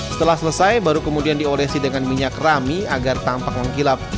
setelah selesai baru kemudian diolesi dengan minyak rami agar tampak mengkilap